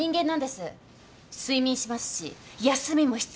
睡眠しますし休みも必要なんです。